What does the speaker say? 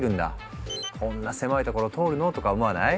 こんな狭い所通るの？とか思わない？